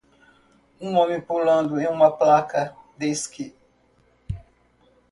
Um homem pulando em uma placa de esqui.